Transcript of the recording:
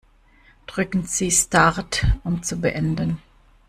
Drücken Sie Start, um zu beenden.